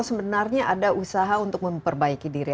sebenarnya ada usaha untuk memperbaiki diri